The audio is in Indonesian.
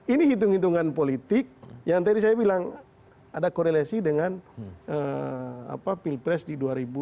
ini hitung hitungan politik yang tadi saya bilang ada korelasi dengan pilpres di dua ribu sembilan belas seribu sembilan ratus sembilan puluh satu